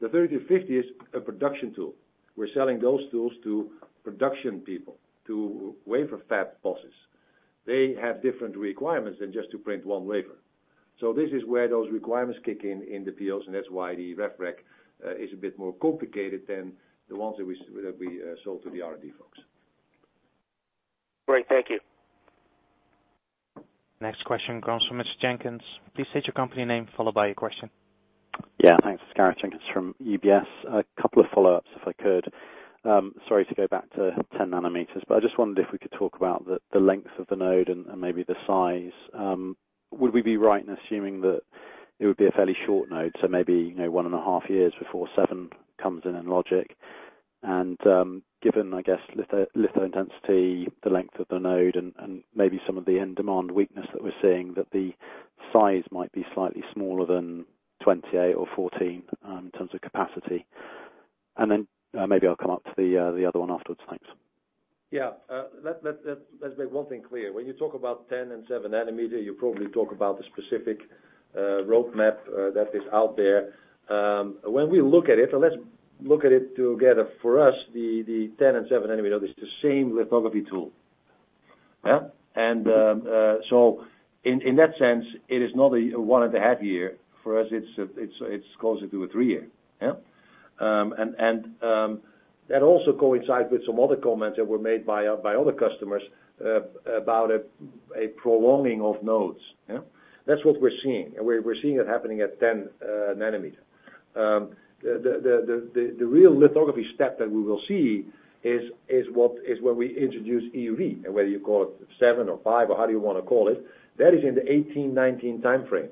The 3350 is a production tool. We're selling those tools to production people, to wafer fab bosses. They have different requirements than just to print one wafer. This is where those requirements kick in the deals, and that's why the rev rec is a bit more complicated than the ones that we sold to the R&D folks. Great. Thank you. Next question comes from Mr. Jenkins. Please state your company name, followed by your question. Yeah. Thanks. It's Gareth Jenkins from UBS. A couple of follow-ups, if I could. Sorry to go back to 10 nanometers, but I just wondered if we could talk about the length of the node and maybe the size. Would we be right in assuming that it would be a fairly short node, so maybe one and a half years before seven comes in in logic? Given, I guess, litho intensity, the length of the node and maybe some of the end demand weakness that we're seeing, that the size might be slightly smaller than 28 or 14, in terms of capacity. Then, maybe I'll come up to the other one afterwards. Thanks. Yeah. Let's make one thing clear. When you talk about 10 and seven nanometer, you probably talk about the specific roadmap that is out there. When we look at it, and let's look at it together. For us, the 10 and seven nanometer is the same lithography tool. Yeah. In that sense, it is not a one and a half year. For us, it's closer to a three year. Yeah. That also coincides with some other comments that were made by other customers about a prolonging of nodes. Yeah. That's what we're seeing. We're seeing it happening at 10 nanometers. The real lithography step that we will see is when we introduce EUV, and whether you call it seven or five or however you want to call it, that is in the 2018, 2019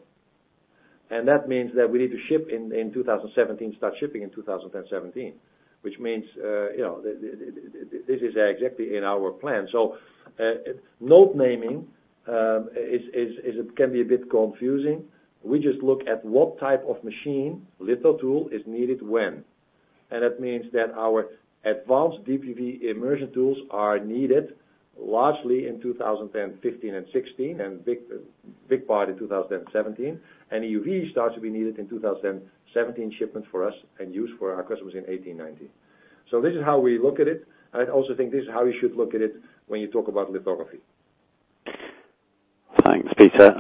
timeframe. That means that we need to ship in 2017, start shipping in 2017. Which means, this is exactly in our plan. Node naming can be a bit confusing. We just look at what type of machine, litho tool, is needed when. That means that our advanced DUV immersion tools are needed largely in 2015 and 2016, and a big part in 2017. EUV starts to be needed in 2017 shipment for us and used for our customers in 2018, 2019. This is how we look at it, and I also think this is how you should look at it when you talk about lithography. Thanks, Peter.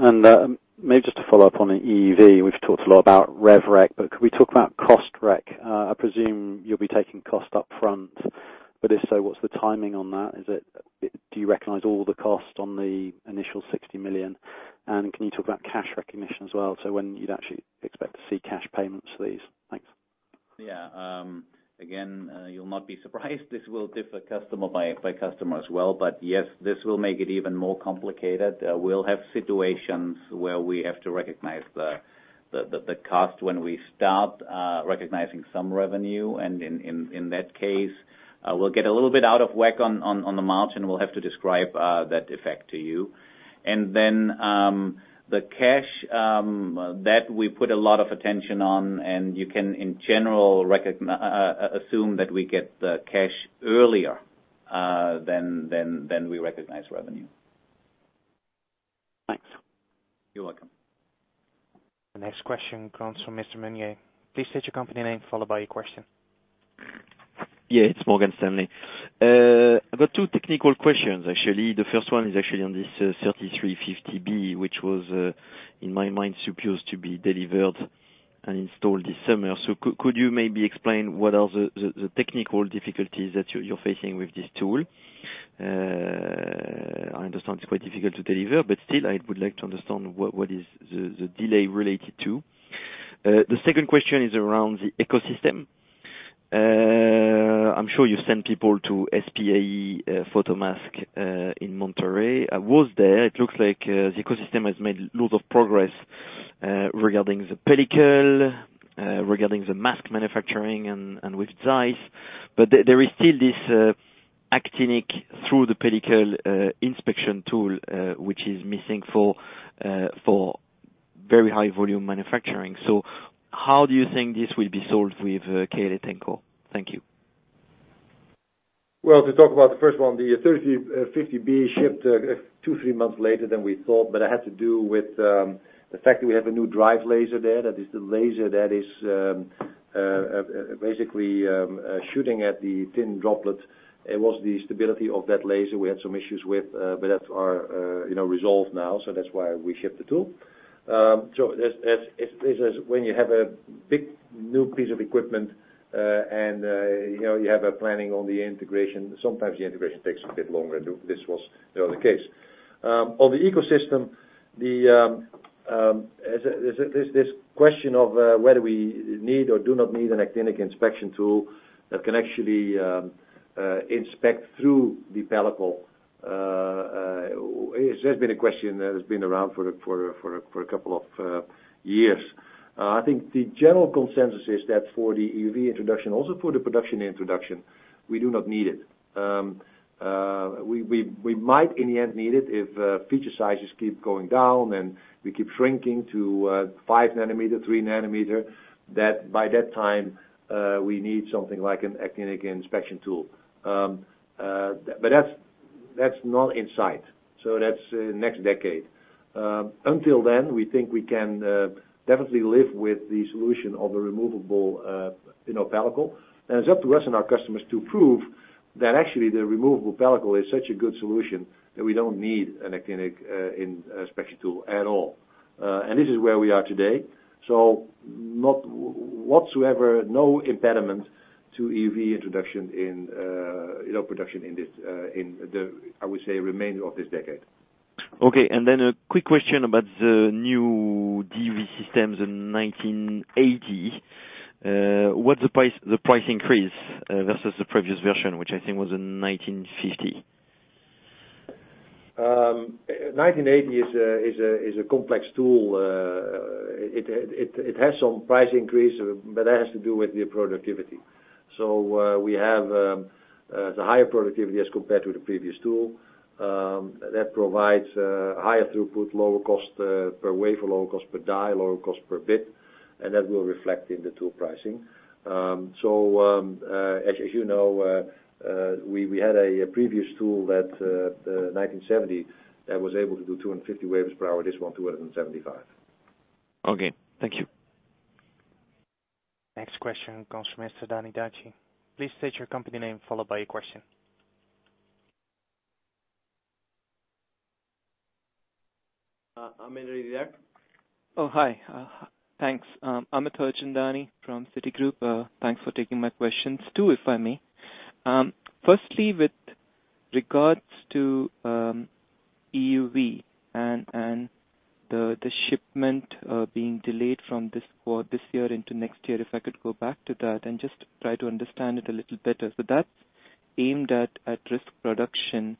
Maybe just to follow up on the EUV. We've talked a lot about rev rec, but could we talk about cost rec? I presume you'll be taking cost up front. If so, what's the timing on that? Do you recognize all the cost on the initial 60 million? Can you talk about cash recognition as well, so when you'd actually expect to see cash payments for these? Thanks. Yeah. Again, you'll not be surprised this will differ customer by customer as well. Yes, this will make it even more complicated. We'll have situations where we have to recognize the cost when we start recognizing some revenue. In that case, we'll get a little bit out of whack on the margin. We'll have to describe that effect to you. Then, the cash, that we put a lot of attention on, you can in general assume that we get the cash earlier than we recognize revenue. Thanks. You're welcome. The next question comes from Mr. Meunier. Please state your company name, followed by your question. It's Morgan Stanley. I've got two technical questions, actually. The first one is actually on this 3350B, which was, in my mind, supposed to be delivered and installed this summer. Could you maybe explain what are the technical difficulties that you're facing with this tool? I understand it's quite difficult to deliver, but still, I would like to understand what is the delay related to. The second question is around the ecosystem. I'm sure you send people to SPIE Photomask, in Monterey. I was there. It looks like the ecosystem has made loads of progress Regarding the pellicle, regarding the mask manufacturing and with ZEISS. There is still this actinic through the pellicle inspection tool, which is missing for very high volume manufacturing. How do you think this will be solved with ASML? Thank you. Well, to talk about the first one, the NXE:3350B shipped two, three months later than we thought. That had to do with the fact that we have a new drive laser there. That is the laser that is basically shooting at the thin droplet. It was the stability of that laser we had some issues with, but that's resolved now, so that's why we shipped the tool. This is when you have a big new piece of equipment and you have a planning on the integration, sometimes the integration takes a bit longer. This was the case. On the ecosystem, this question of whether we need or do not need an actinic inspection tool that can actually inspect through the pellicle, it has been a question that has been around for a couple of years. I think the general consensus is that for the EUV introduction, also for the production introduction, we do not need it. We might in the end need it if feature sizes keep going down and we keep shrinking to 5 nanometer, 3 nanometer. That by that time, we need something like an actinic inspection tool. That's not in sight. That's next decade. Until then, we think we can definitely live with the solution of a removable pellicle. It's up to us and our customers to prove that actually the removable pellicle is such a good solution that we don't need an actinic inspection tool at all. This is where we are today. Whatsoever, no impediment to EUV introduction in production in the, I would say, remainder of this decade. Okay, a quick question about the new DUV systems in 1980. What's the price increase, versus the previous version, which I think was in 1950? 1980 is a complex tool. It has some price increase, that has to do with the productivity. We have the higher productivity as compared to the previous tool. That provides higher throughput, lower cost per wafer, lower cost per die, lower cost per bit, and that will reflect in the tool pricing. As you know, we had a previous tool that, the 1970, that was able to do 250 wafers per hour. This one, 275. Okay. Thank you. Next question comes from. Please state your company name, followed by your question. I'm ready, yeah. Oh, hi. Thanks. Amit Daryanani from Citigroup. Thanks for taking my questions. Two, if I may. Firstly, with regards to EUV and the shipment being delayed from this year into next year, if I could go back to that and just try to understand it a little better. That's aimed at risk production.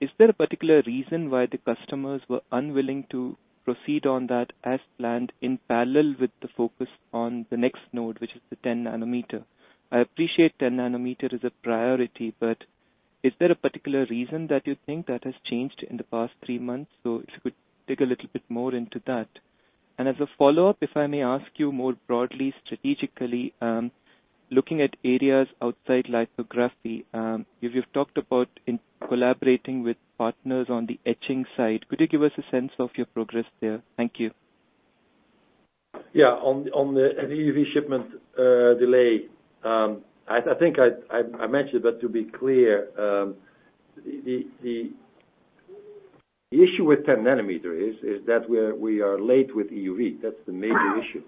Is there a particular reason why the customers were unwilling to proceed on that as planned in parallel with the focus on the next node, which is the 10 nanometer? I appreciate 10 nanometer is a priority, but is there a particular reason that you think that has changed in the past three months? If you could dig a little bit more into that. As a follow-up, if I may ask you more broadly, strategically, looking at areas outside lithography, you've talked about collaborating with partners on the etching side. Could you give us a sense of your progress there? Thank you. On the EUV shipment delay, I think I mentioned, but to be clear, the issue with 10 nanometer is that we are late with EUV. That's the major issue.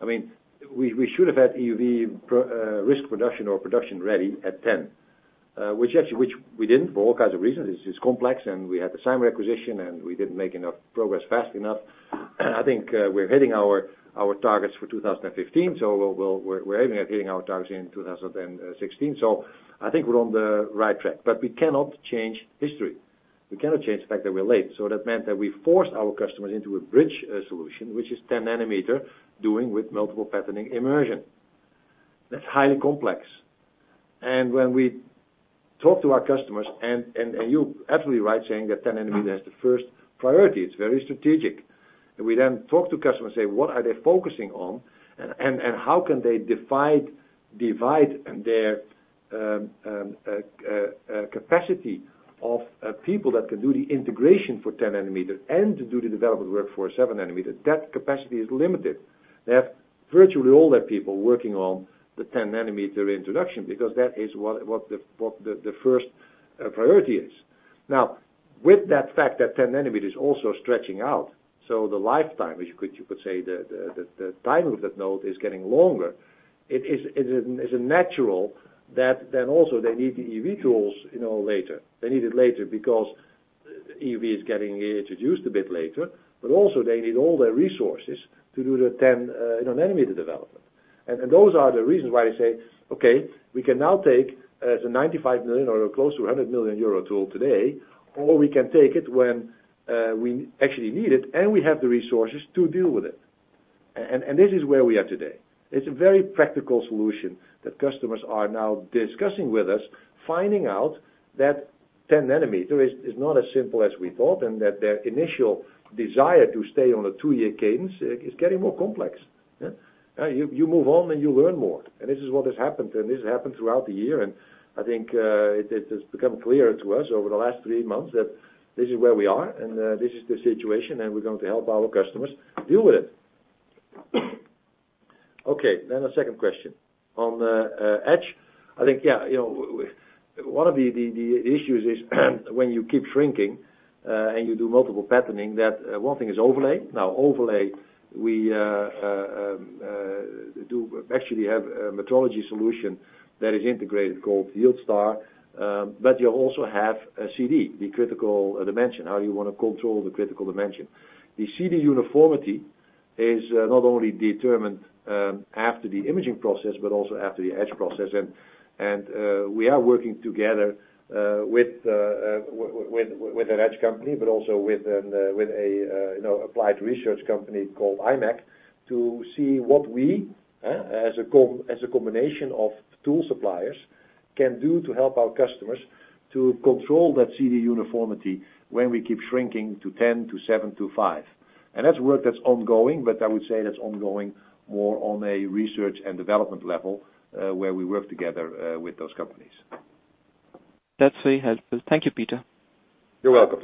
I mean, we should have had EUV risk production or production ready at 10, which we didn't for all kinds of reasons. It's complex, and we had the Cymer acquisition, and we didn't make enough progress fast enough. I think we're hitting our targets for 2015. We're aiming at hitting our targets in 2016. I think we're on the right track, but we cannot change history. We cannot change the fact that we're late. That meant that we forced our customers into a bridge solution, which is 10 nanometer, doing with multiple patterning immersion. That's highly complex. When we talk to our customers, and you're absolutely right saying that 10 nanometer is the first priority. It's very strategic. We talk to customers, say, what are they focusing on, and how can they divide their capacity of people that can do the integration for 10 nanometer and do the development work for 7 nanometer? That capacity is limited. They have virtually all their people working on the 10 nanometer introduction because that is what the first priority is. With that fact that 10 nanometer is also stretching out, the lifetime, which you could say the timing of that node is getting longer. It is natural that also they need the EUV tools later. They need it later because EUV is getting introduced a bit later, but also they need all their resources to do the 10 nanometer development. Those are the reasons why they say, okay, we can now take the 95 million or close to 100 million euro tool today, or we can take it when we actually need it, and we have the resources to deal with it. This is where we are today. It's a very practical solution that customers are now discussing with us, finding out that 10 nanometer is not as simple as we thought, and that their initial desire to stay on a two-year cadence is getting more complex. You move on, and you learn more. This is what has happened, and this happened throughout the year. I think it has become clearer to us over the last three months that this is where we are, and this is the situation, and we're going to help our customers deal with it. Okay, the second question. On the etch, I think, one of the issues is when you keep shrinking and you do multiple patterning, that one thing is overlay. Overlay, we actually have a metrology solution that is integrated called YieldStar. You also have a CD, the critical dimension, how you want to control the critical dimension. The CD uniformity is not only determined after the imaging process but also after the etch process. We are working together with an etch company, but also with an applied research company called imec, to see what we, as a combination of tool suppliers, can do to help our customers to control that CD uniformity when we keep shrinking to 10 to seven to five. That's work that's ongoing, but I would say that's ongoing more on a research and development level, where we work together with those companies. That's very helpful. Thank you, Peter. You're welcome.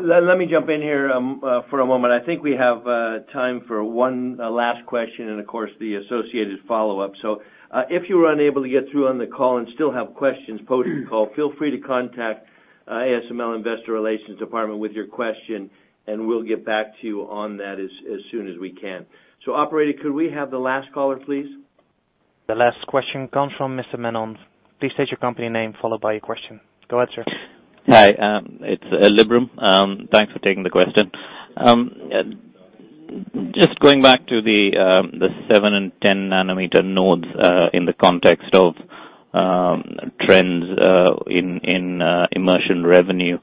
Let me jump in here for a moment. I think we have time for one last question and, of course, the associated follow-up. If you were unable to get through on the call and still have questions post-call, feel free to contact ASML Investor Relations Department with your question, and we'll get back to you on that as soon as we can. Operator, could we have the last caller, please? The last question comes from Mr. Menon. Please state your company name, followed by your question. Go ahead, sir. Hi, it's Liberum. Thanks for taking the question. Just going back to the 7 and 10 nanometer nodes in the context of trends in immersion revenue.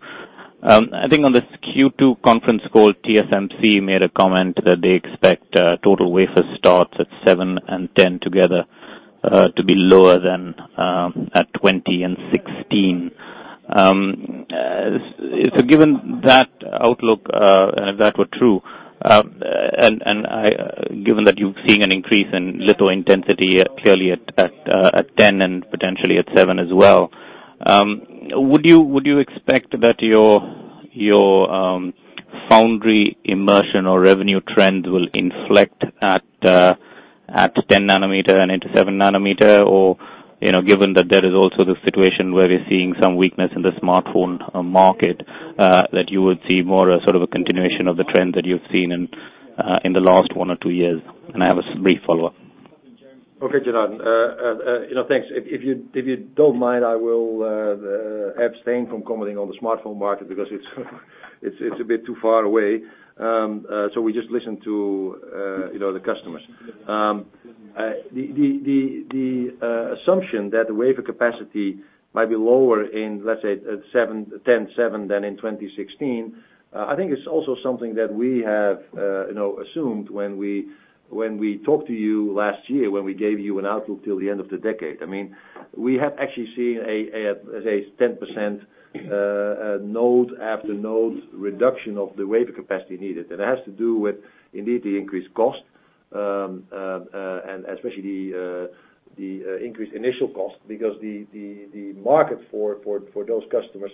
I think on this Q2 conference call, TSMC made a comment that they expect total wafer starts at 7 and 10 together, to be lower than at 20 and 16. Given that outlook, and if that were true, and given that you're seeing an increase in litho intensity clearly at 10 and potentially at 7 as well, would you expect that your foundry immersion revenue trends will inflect at 10 nanometer and into 7 nanometer? Given that there is also the situation where we're seeing some weakness in the smartphone market, that you would see more a sort of a continuation of the trend that you've seen in the last one or two years? I have a brief follow-up. Okay, Janardhan. Thanks. If you don't mind, I will abstain from commenting on the smartphone market because it's a bit too far away. We just listen to the customers. The assumption that the wafer capacity might be lower in, let's say, at 10, 7 than in 2016, I think is also something that we have assumed when we talked to you last year, when we gave you an outlook till the end of the decade. We have actually seen a 10% node after node reduction of the wafer capacity needed. That has to do with, indeed, the increased cost, and especially the increased initial cost, because the market for those customers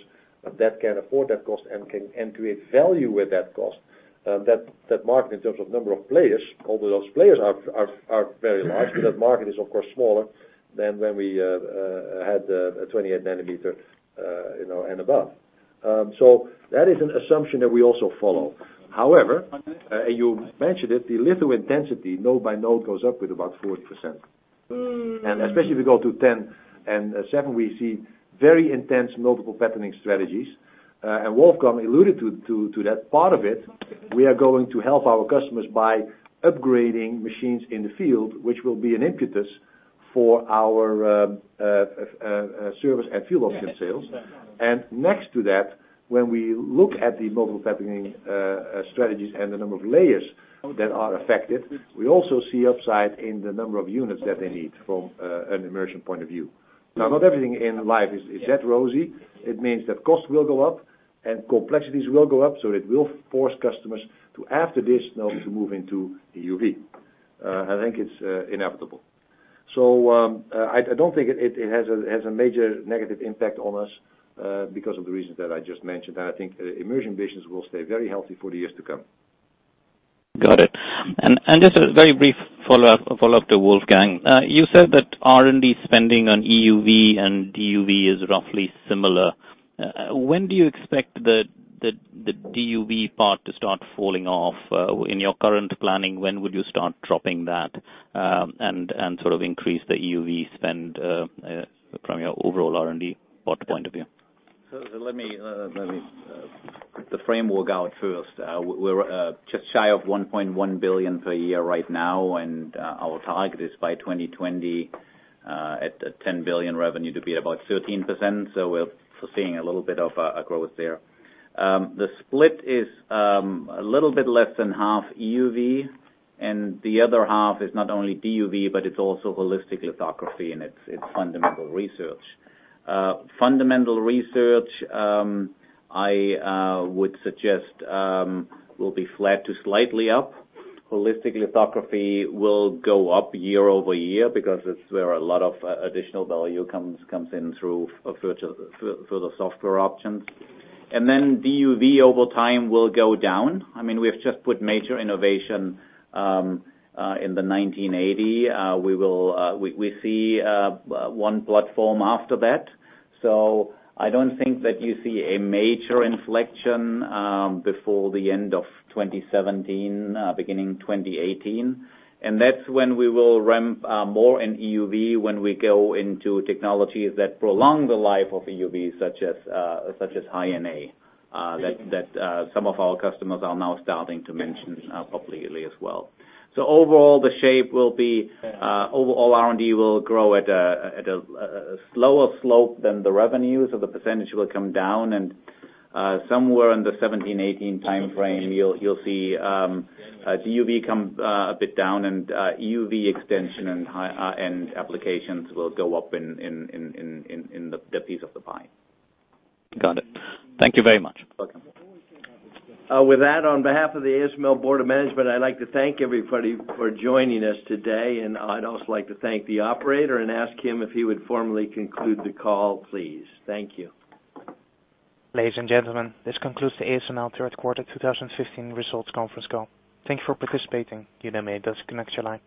that can afford that cost and can create value with that cost, that market in terms of number of players, although those players are very large, but that market is of course smaller than when we had a 28 nanometer and above. That is an assumption that we also follow. However, you mentioned it, the litho intensity node by node goes up with about 40%. Especially if we go to 10 and 7, we see very intense multiple patterning strategies. Wolfgang alluded to that part of it. We are going to help our customers by upgrading machines in the field, which will be an impetus for our service and field option sales. Next to that, when we look at the multiple patterning strategies and the number of layers that are affected, we also see upside in the number of units that they need from an immersion point of view. Now, not everything in life is that rosy. It means that costs will go up and complexities will go up, it will force customers to, after this node, to move into EUV. I think it's inevitable. I don't think it has a major negative impact on us because of the reasons that I just mentioned. I think the immersion business will stay very healthy for the years to come. Got it. Just a very brief follow-up to Wolfgang. You said that R&D spending on EUV and DUV is roughly similar. When do you expect the DUV part to start falling off? In your current planning, when would you start dropping that, and sort of increase the EUV spend from your overall R&D point of view? Let me put the framework out first. We're just shy of 1.1 billion per year right now, and our target is by 2020, at 10 billion revenue to be about 13%. We're seeing a little bit of a growth there. The split is a little bit less than half EUV, and the other half is not only DUV, but it's also Holistic Lithography and it's fundamental research. Fundamental research, I would suggest, will be flat to slightly up. Holistic Lithography will go up year-over-year because it's where a lot of additional value comes in through the software options. DUV over time will go down. We've just put major innovation, in the 1980. We see one platform after that. I don't think that you see a major inflection before the end of 2017, beginning 2018. That's when we will ramp more in EUV, when we go into technologies that prolong the life of EUV, such as High NA, that some of our customers are now starting to mention publicly as well. Overall, R&D will grow at a slower slope than the revenues. The percentage will come down and, somewhere in the 2017, 2018 timeframe, you'll see DUV come a bit down and EUV extension and high-end applications will go up in the piece of the pie. Got it. Thank you very much. Welcome. With that, on behalf of the ASML Board of Management, I'd like to thank everybody for joining us today, and I'd also like to thank the operator and ask him if he would formally conclude the call, please. Thank you. Ladies and gentlemen, this concludes the ASML Third Quarter 2015 Results Conference Call. Thank you for participating. You may disconnect your line.